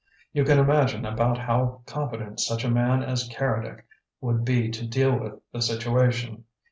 You can imagine about how competent such a man as Keredec would be to deal with the situation.